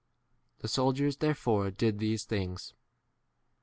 The sol diers therefore did these things.